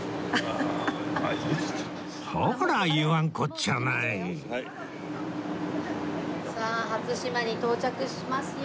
ほら言わんこっちゃないさあ初島に到着しますよ。